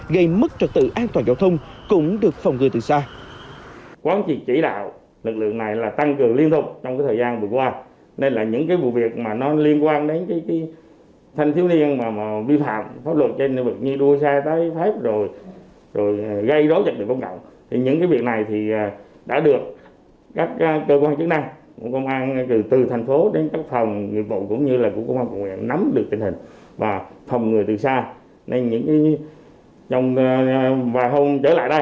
gây mất trật tự an toàn giao thông cũng được phòng ngừa từ xa